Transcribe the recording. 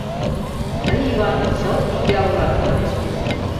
— Тый, Иван, чылт ия улат, — манеш вес йӱк.